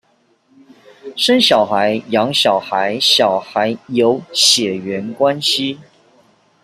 生小孩、養小孩、小孩有血緣關係